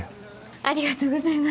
ありがとうございます。